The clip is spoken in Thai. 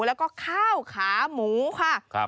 แล้วก็ข้าวขาหมูค่ะ